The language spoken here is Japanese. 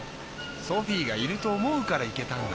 ソフィーがいると思うから行けたんだ。